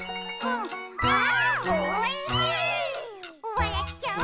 「わらっちゃう」